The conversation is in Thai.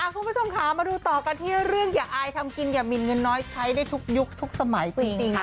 คุณผู้ชมค่ะมาดูต่อกันที่เรื่องอย่าอายทำกินอย่ามินเงินน้อยใช้ได้ทุกยุคทุกสมัยจริง